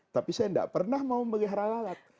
tapi saya tidak pernah mau melihara lalat